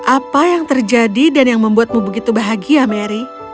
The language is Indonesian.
apa yang terjadi dan yang membuatmu begitu bahagia mary